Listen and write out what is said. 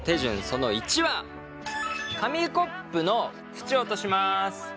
その１は紙コップの縁を落とします。